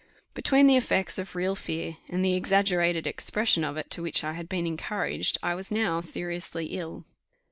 Between the effects of real fear, and the exaggerated expression of it to which I had been encouraged, I was now seriously ill.